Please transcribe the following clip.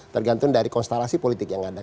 tergantung dari konstelasi politik yang ada